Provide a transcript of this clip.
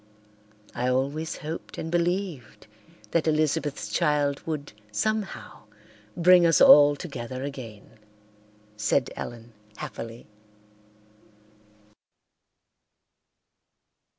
"I always hoped and believed that Elizabeth's child would somehow bring us all together again," said Ellen happily.